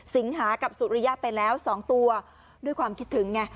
สิงหากับสุริยะไปแล้ว๒ตัวด้วยความคิดถึงไง